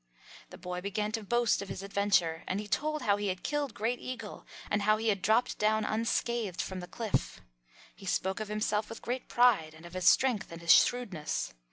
The boy began to boast of his adventure, and he told how he had killed Great Eagle and how he had dropped down unscathed from the cliff. He spoke of himself with great pride and of his strength and his shrewdness.